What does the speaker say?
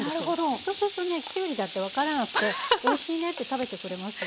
そうするとねきゅうりだって分からなくて「おいしいね」って食べてくれますよ。